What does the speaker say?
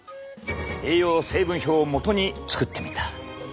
栄養成分表を基に作ってみた。